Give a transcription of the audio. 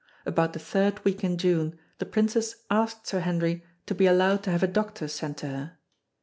About the third week in June the Princess asked Sir Henry to be allowed to have a doctor sent to her.